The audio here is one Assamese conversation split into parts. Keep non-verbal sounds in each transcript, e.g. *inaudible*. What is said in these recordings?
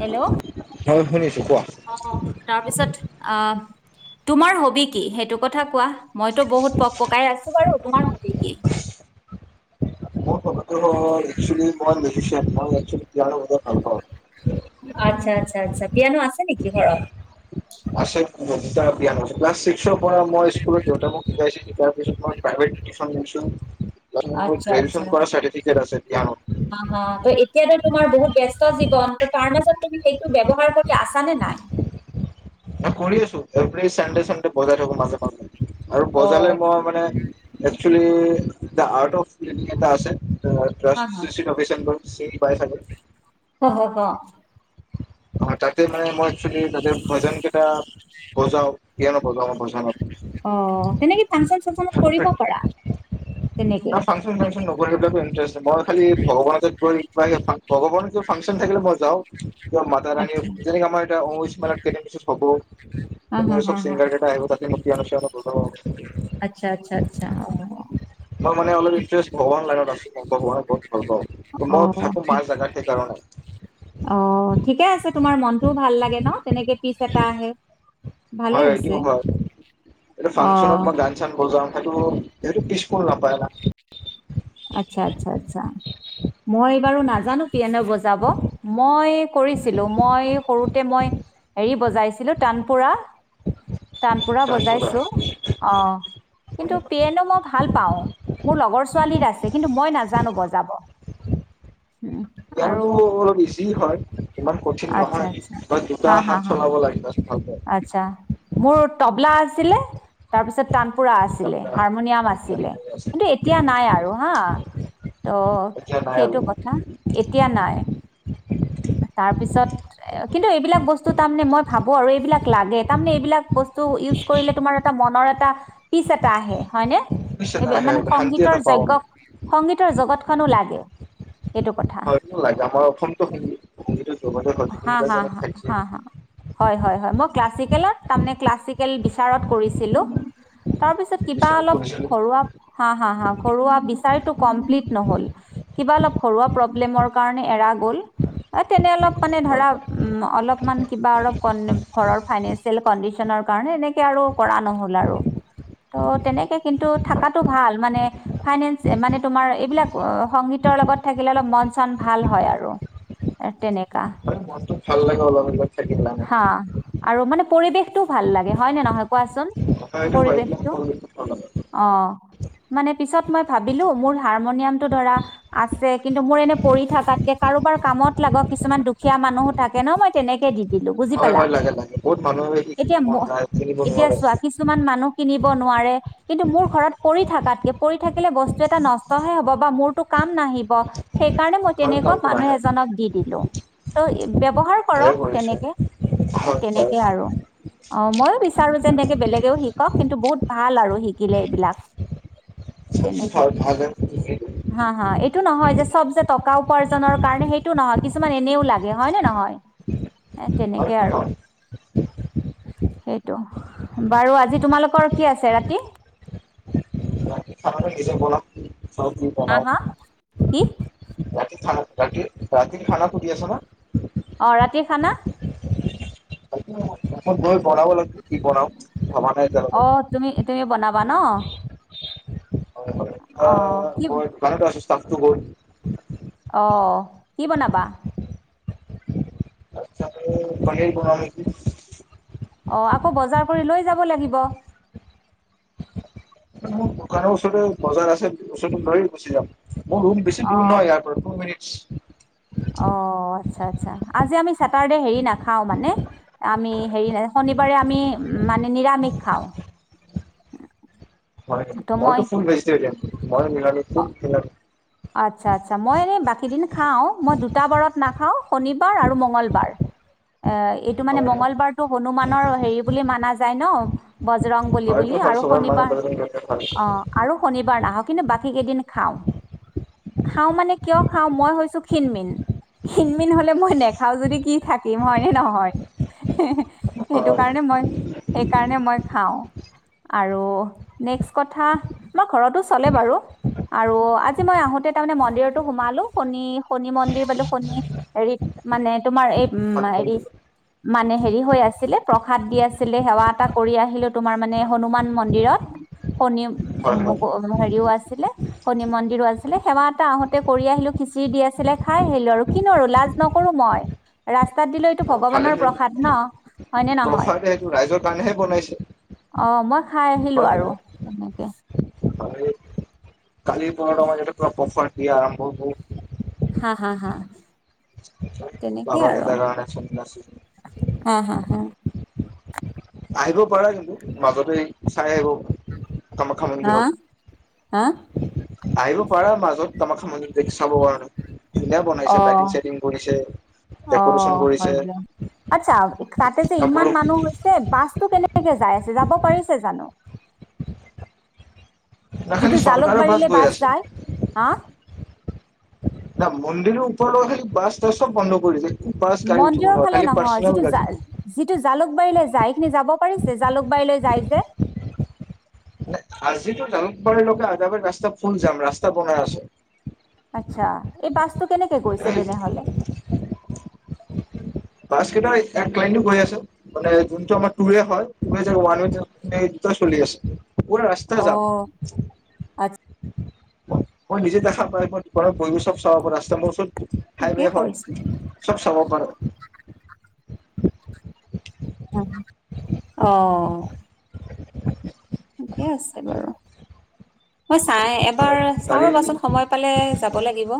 হেল্ল', হয় শুনিছো কোৱা। অহ ', তাৰপিছত আহ', তোমাৰ হবি কি সেইটো কথা কোৱা? মইতো বহুত পক - পকাই আছো বাৰু তোমাৰ হবি কি? মোৰ ভব একেল মই মেজিচিয়ান। মই একচলি পিয়ান বজাই ভাল পাওঁ। আচ্ছা- আচ্ছা - আচ্ছা পিয়ানো আছে নেকি ঘৰত? ক্লাছ ছিক্সৰ। ম মই স্কুলত দেউতা মোক শিকাইছিল। তাৰপিছত মই প্ৰাইভেট টিউচন দিছোঁ। গ্ৰেজুএচন কৰাৰ চাৰ্তিফিকেট আছে। পিয়ানো অহ', - অহ ', এতিয়াত তোমাৰ বহুত ব্যস্তি তাৰ মাজত তুমি সেইটো ব্যৱহাৰ কৰি আছা নে নাই? অঁ কৰি আছো এভেৰী চানডে চানডে বজাই থাকো মাজে মাজে। আৰু অ বজালে মই মানে এ। Actually the art of. এটা আছে হা হা চিচিভাবেচনটো। সেই পাই চাগৰ। হ হ হ অ তাতে মানে মই একচুৱেলি তাতে ভজন কেইটা। ভচা কিয় ন পচ ভচা ন। অ তেনেকে ফাংচন চাংচন ভজনত কৰিব পাৰা তেনেকে। ন ফাংচন চাংচন নগ'লে সেইবিলাকো ইণ্টাৰেষ্ট মই খালি ভগৱানকে কৈ আছো ভগৱানৰ ফাংচন থাকিলে মই যাওঁ। মাতা ৰাণীৰ আচ্ছা যেনেকে আমাৰ এতিয়া আম্বুবাচি মেলাত কেইদিনমান পিছত হব হা হা তেনে চব হা হা চিংগাৰ কেইটা আহিব তাতে বিহু চিহু হব ন। আচ্ছা আচ্ছা আচ্ছা অ মই মানে অলপ ইষ্ট ভগৱান লাইত আছো। ভগৱানে বহুত ভাল পাওঁ অ অ মই থাকো মাৰ ঠিক- জোগা সেই কাৰণে। অ ঠিকে আছে তোমাৰ মনটোও ভাল লাগে ন তেনেকে ফিছ এটা আহে। ভালে হয় হৈছে এইটো হয় এইটো অ ফাংচনত মই গান চান বজাম সেইটো। এই পছপুল নাপায় না। আচ্ছা আচ্ছা আচ্ছা মই এই বাৰু নাজানো পিয়নৰ বজাব। মই কৰিছিলোঁ মই সৰু। মই হেৰি বজাইছিলো তানপুৰা। টানপুৰা গান বজা বজাইছো অ কিন্তু পিয়েনো মই ভাল পাওঁ মোৰ লগৰ ছোৱালীৰ আছে। নাজানো। বজাব। উম, আৰু জানোতো অলপ বেছি হয়। ইমান কঠিন আচ্ছা নহয় আচ্ছা বা দুটা হা হা হাত হা চলাব লাগে বাচ আচ্ছা মোৰ তবলা। ছিলে তাৰ পিছত তানপুৰা আছিলে ভালকে হাৰমনিয়াম। আছিলে কিন্তু এতিয়া নাই আৰু। অহ ত' এতিয়া নাই আৰু সেইটো কথা। এতিয়া নাই। তাৰপিছত কিন্তু এইবিলাক বস্তু তাৰানে মই। খাব আৰু এইবিলাক লাগে তাৰমানে এইবিলাক বস্তু ইউজ কৰিলে তোমাৰ এটা মনৰ এটা। পিছ এটা আহে। হয়নে বুজিছে এইব নাই মানে শান্তি এটা সংগীতৰ পাওঁ আমি যজ্ঞ সংগীতৰ জগতখনো লাগে। এইটো কথা হয় লাগে আমাৰ অসমটো হ। অ *unintelligible* হা হা-হা, হয়- হয়, মই ক্লাছিকেলত তাৰমানে ক্লাছিকেল কাৰত কৰিছিলো, তাৰপিছত কিবা ঈশ্বৰ অলপ কৰিছিল ঘৰুৱা, হা হা-হা ঘৰুৱা বিচাৰটো কমপ্লিট নহ'ল, কিবা অলপ ঘৰুৱা প্ৰব্লেমৰ কাৰণে এৰা গ'ল। এ তেনে অলপ মানে হয় ধৰা হয় অলপমান কিবা অলপ ঘৰৰ ফাইনেনচিএল কণ্ডিচনৰ কাৰনে এনেকে আৰু কৰা নহ'ল আৰু ত' তেনেকে। কিন্তু থাকাটো ভাল মানে ফাইনেন্স মানে তোমাৰ এইবিলাক সংগীতৰ লগত থাকিলে অলপ মন চন ভাল হয় আৰু তেনেকে কা হয় মনটো ভাল লাগে অলপ অলপ থাকিল লাগে হা আৰু মানে পৰিৱেশটোও ভাল লাগে হয় ন নহয় কোৱাচোন, হয় এইটো হয় এইবিলাক পৰিৱেশটো ভাল লাগে অঁ, মানে পিছত মই ভাবিলো মোৰ হাৰমনিয়াম টো ধৰা আছে কিন্তু মোৰ এনে পৰি থাকাতকে কাৰোবাৰ কামত লাগক কিছুমান দুখীয়া মানুহো থাকে ন মই তেনেকে দিম হয় হয় লাগে-লাগে বহুত মানুহ শিকিব এতিয়া মন ম যায়, কিনিব নোৱাৰে। ব নোৱাৰে, কিন্তু মোৰ ঘৰত পৰি থকাতকে পৰি থাকিলে বস্তু এটা নষ্টহে হ'ব বা মোৰটো কাম নাহিব। সেইকাৰণে মই ভাল তেনেকুৱা কামটো মানুহ নাহে এজনক দি দিলো। ত' ব্যৱহাৰ ভালে কৰক কৰিছে তেনেকে, এ হয় হয় তেনেকে আৰু অ মইয়ো বিচাৰো যে এনেকে বেলেগেও শিকক কিন্তু বহুত ভাল আৰু। শিকিলে এইবিলাক চবটো তেনেকে, ভাল ভালে হয় হা- হা এইটো নহয় যে চব যে টকাও উপাৰ্জনৰ কাৰণে সেইটো নহয় কিছুমান এনেও লাগে হয় নে নহয়। এ তেনেকে আৰু। নহয় সেইটো, বাৰু আজি তোমালোকৰ কি আছে ৰাতি? *unintelligible* চবজি বনাওঁ। হা হা খান কি ৰাতিৰ- ৰাতিৰ খানা সুধি আছে ন। অঁ ৰাতিৰ খানা *unintelligible* বনাব কি বনাও, ভবা নাই এতিয়ালৈকে। অ তুমি *unintelligible* ন হয় হয়, অ, মই *unintelligible* *unintelligible* গ'ল। অঁ, কি বনাবা। আচ্চা পনীৰ বনাম নেকি। অঁ আকৌ বজাৰ কৰি লৈ যাব লাগিব। মোৰ দোকানৰ ওচৰতে বজাৰ আছে, ওচৰটো দৌৰি গুচি যাম। মোৰ ৰুম বেছি দূৰ অ নহয় ইয়াৰ পৰা, টো মিনিট *inaudible* চেটাৰডে হেৰি নাখাও মানে আমি হেৰি ন শনিবাৰে আমি মানে নিৰামিষ খাওঁ। হয় ত' মই মইতো ফুল ভেজিটেৰিয়ান। মই নিৰামিষ অ- কোন খিল আচ্ছা, আচ্ছা, মই এনেই বাকীদিন খাও মই দুটাবাৰত নাখাও শনিবাৰ আৰু মঙ্গলবাৰ। অ এইটো মানে হয় মঙ্লবাৰ টো হনুমানৰ হেৰি বুলি মানা যায় ন ৰংবলি হয়তো বুলি হয় আৰু চবে মানুহ শনিবাৰ হয় অ আৰু শনিবাৰ নাহক কিন্তু বাক কিদিন খাও খাওঁ মানে কিয় খাওঁ মই হৈছো ক্ষীণ মিন ক্ষীণ মিন হলে মই নেখাও যদি কি থাকিম হয়নে নহয় সেইটো কাৰণে মই সেইকাৰণে মই খাওঁ আৰু নেক্সট কথা আমাৰ ঘৰতো চলে বাৰু আৰু মই আহোতে তাৰমানে মন্দিৰতো সোমালো শনি শনি মন্দিৰ বালো শনি হেৰি মানে তোমাৰ এই উ হেৰি মানে হেৰি হৈ আছিলে প্ৰসাদ দি আছিলে সেৱা এটা কৰি আহিলো তোমাৰ মানে হনুমান মন্দিৰত শনি হয় হয় হেৰিও আছিলে শনি মন্দ আছিলে সেৱা এটা আহোতে কৰি আহিলো খিচিৰি দি আছিলে খাই আহিলো আৰু কিনো আৰু লাজ নকৰো মই ৰাস্তাত দিলো এইটো ভালে ভগৱানৰ প্ৰসাদ ন হয়নে নহয় প্ৰফাৰতে সেইটো ৰাইজৰ কাৰণেহে বনাইছে আহ মই খাই আহিলো নে আৰু তেনেকে হয়। কালি পন্ মাৰ প্ৰফাৰ *unintelligible* আৰম্ভ হব হা হা হা তেনেকে আৰু বাবাটোটা গান চনছিল হা হা হা আহিব পাৰা কিন্তু মাজতে চাই আহিব তম ক এক হা আৰু হা আহিব পাৰা মাজত তোমাক সাম চাব কাৰণে ধুনীয়া বনাইছে লাইটিং অঁ চাইটিং কৰিছে ডেক'ৰেচন অঁ কৰিছে হয় দিয়া আচ্ছা তাতে যে আকৌ ইমান মানুহ হৈছে বাছতটো কেনেক কেনেকে যাই আছে যাব পাৰিছে জানো! না খালি যিটো চৰকাৰৰ জালুকবাৰীলৈ গৈ বাছ আছে যায় হা মন্দিৰ উপৰ লগ সেই বাছ দ চব বন্ধ কৰি যায়। মন্দিৰৰ ফালে নহয়, যিটো জ যিটো জালুকবাৰীলৈ যাই খিনি যাব পাৰিছে জালুকবাৰীলৈ যাই যে আজিতো জালুকবাৰীলৈকে আদাবাৰ ৰাস্তা ফুল যাম ৰাস্তা বনাই আছে। আচ্ছা এই বাছটো কেনেকে গৈছে এই তেনেহলে বছ কেইটা এক লাইন হৈ আছে মান যোনটোৰ হয়ান চলি আছে পুৰা ৰাস্তা অ যাম। আচ্ছা মই নিজে দেখা পাই মই ঘৰত বহো চব চাব ৰাস্তা মোৰচোন ঠিকেই কৰিছিলো। চব চাব কৰোঁ। উম, অ'। ঠিকে আছে বাৰু মই চাই এবাৰ চাওঁ গাড়ী ৰ'বাচোন সময় পালে যাব লাগিব।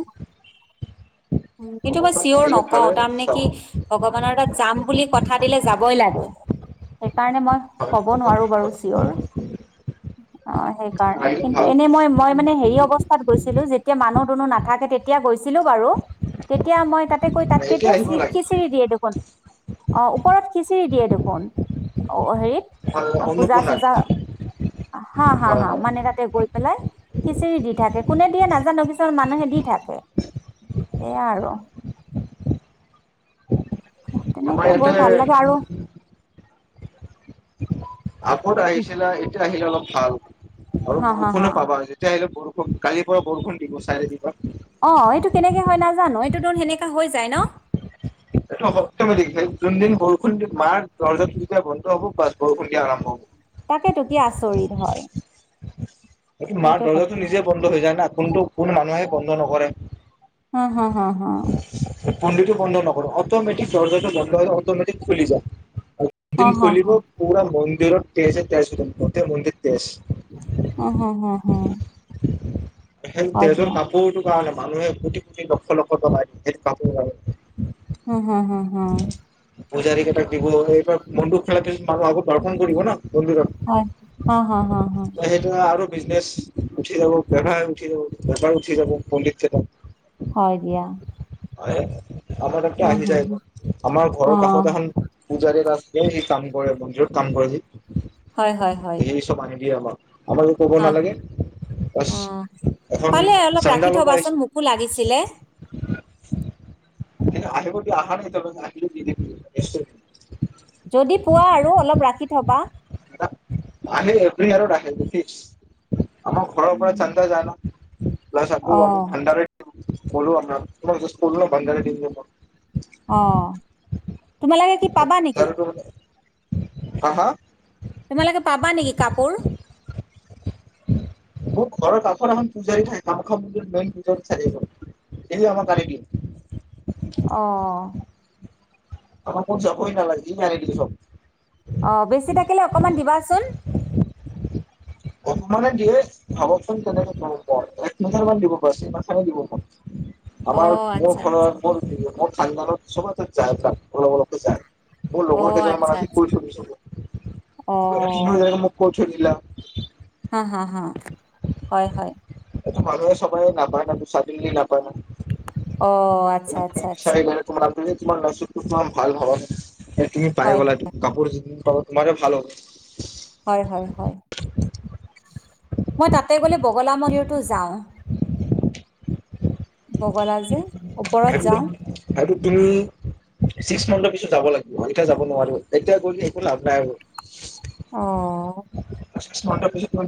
কিন্তু মই ভ্ৰমণখন চিয়ৰ আহিলে নকও ভালে তাৰমানে চাব কি ভগৱানৰ তাত যাম বুলি কথা দিলে যাবই লাগে। কাৰণে মই ক'ব নোৱাৰো আহিলে বাৰু চিয়ৰ। অ', সেই কাৰণে কিন্তু ভাল এনে মই মই মানে হেৰি অৱস্থাত গৈছিলো যে। তেতিয়া মানুহ দুুনুহ নাথাকে তেতিয়া গৈছিলো বাৰু তেতিয়া মই ত তে গৈ তাত এতিয়া তেতিয়াও আহিব চিপ লাগে খিচিৰি দিয়ে দেখোন অ' ওপৰত খিচিৰি দিয়ে দেখোন অ' হেৰিত পূজা অন্নপূৰ্ণাত চজা হা হা হয় হা হয় মানে তাতে পেলাই খিচিৰি দি থাকে কোনে দিয়ে নাজানো কছোমান মানুহে দি থাকে এয়া আৰু আমাৰ তেনেকে ইয়াতে গৈ ভাল লাগে আৰু। *unintelligible* আগত আহিছিলা এতিয়া আহিল অলপ হ আৰু হা হা হা বৰষুণে পাবা আৰু যেতিয়া আহিলে বৰষু খব কালিৰ পৰা বৰষুণ দিব চাই থাকিবা। অ' এইটো কেনেকে হয় নাজানো এইটো দৰ সেনেকে হৈ যায় ন? এইটো সপ্তমে দেিছে যোনদিন বৰষুণ দি মাৰ দৰ্জা বন্ধ হ'ব বা বৰষুণ দিয়া আৰম্ভ হব তাকেত কি আচৰিত হয়। এইটো মাৰ সেইটো কথা দৰ্জাটো নিজে বন্ধ হৈ যায় না? কোনটো কোন মানুহে বন্ধ নকৰে। হা হা হা হা। পুলিটো বন্ধ নকৰো অটমেটিক দৰ্জাটো বন্ধ হলে অটমেটিক খুলি যায়। আৰু অ দিন হ হ খলিব পুৰা বন্ধ শৰীৰত তেজ তেজ গোতেই মুন্দিত তেজ। আহ হ হ হ। *inaudible* এখন তেজৰ কাপোৰতো কাৰ নো। মানুহে কোটি কোটি লক্ষ লক্ষ টকা সেই কাপটো কাৰনে। উম হম হম হম পূজাৰী কেটাক এইবোৰ বনদুক খেলাকে আৰু আগত দৰশন কৰিব নহ হয়। হা, হা, হা, হা, *unintelligible* সেইটো আৰু বিজনেছ উঠি যাব, ব্যৱসায় উঠি যাব, বেপাৰ উঠি যাব পণ্ডিতকেইটাৰ হয় দিয়া। হয় আমাৰ তাকে উম, আহি হু, যায় হু, নহ আমাৰ ঘৰৰ অ', কাষত এখন পূজাৰী আছে সি কাম কৰে মন্দিৰত কাম কৰেহি হয় হয় হয় দিয়ে আমাক, আমাৰো অহ অহ এখন পালে অলপ চান্দা ৰাখি ল'ব থবাচোন মোকো লাগিছিলে এনে আহিব দিয়ে, আহা নাই এতিয়া লৈকে আহিলে দি দিম নিশ্চয় যদি পোৱা আৰু অলপ ৰাখি থবা। আহে এভৰি ইয়াৰড আহ ফিক্স আমাৰ ঘৰৰ পৰা উম। চান্দা যায় নহ প্লাছ আকৌ আমি অ', ভান্ডাৰেট্ দিও বলো আমাৰা অ', তোমালোকে কি পাবা নেকি? *unintelligible* *unintelligible* হা হা তোমালোকে পাবা নেকি কাপোৰ? মোৰ ঘৰৰ কাষৰ এখন পূজাৰী থাকে, কামাখ্যা মন্দিৰৰ মেইন পূজাৰী থাকে, এই আমাক আনি দিয়ে অহ আমাৰ ক'ত যাবই নালাগে, সি আনি দিয়ে চব অহ বেছি থাকিলে অকমান দিবাচোন অকমানে দিয়ে ভাবক চোন কেনেকে দিও মই এক মিটাৰ মান দিব *unintelligible* দিব *unintelligible* আমাৰ অ', মোৰ আচ্ছা, আচ্ছা, ঘৰত মোৰ মোৰ *unintelligible* সবতে যায় চাম অলপ অলপ যাই মোৰ লগৰ অ', কেইজন মান আচ্ছা, আজি আচ্ছা, অ', *unintelligible* *unintelligible* খেলিলা হা হা হা হয় হয় এইটো মানুহে সবেই নাপায় নহয়, চাদেনলি নাপায় নহয় অহ আচ্ছা আচ্ছা আচ্ছা। মানে কিমান তোমাৰ ভাল হওক এহ তুমি পাই হয়। গ'লা, *unintelligible* কাপোৰ জিকিম তোমাৰে ভাল হওক হয় হয় হয় মই তাতে গলে বগলা মন্দতো যাওঁ বগলা যে ওপৰত যা সেইটো সেইটো তুমি ছিক্স মান্থৰ পিছত যাব লাগিব এতিয়া যাব নোৱাৰো এতিয়া গলে একো লাভ নাই আৰু অ চিক ম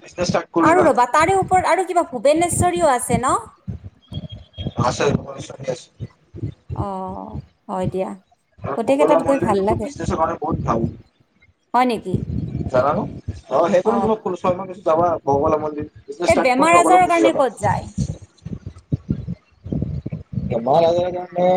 আৰু ৰ'বা তাৰে ওপৰত আৰু কিবা ভূৱনেশ্বৰীও আছে ন আছে ত চ আছে অ হয় দিয়া গোটেই ভকলৱা কেইটাত গৈ মন্দিৰ ভাল কিন্তু লাগে বিজনেছৰ কাৰণে বহুত হয় নেকি ভাল জানানো আৰু অ সেইকাৰণে তোমাৰ ছয়াহ কিছু যাবা বৌবল মে এই বেমাৰ আজাৰৰ কাৰণে ক'ত যায় এবাৰ লাগে মানে